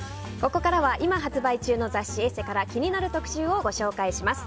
ここからは、今発売中の雑誌「ＥＳＳＥ」から気になる特集をご紹介します。